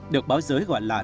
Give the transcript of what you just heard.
được báo giới gọi là